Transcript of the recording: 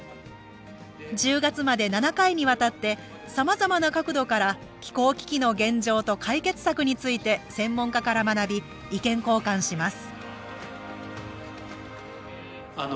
１０月まで７回にわたってさまざまな角度から気候危機の現状と解決策について専門家から学び意見交換します